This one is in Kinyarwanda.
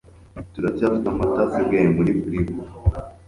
turacyafite amata asigaye muri firigo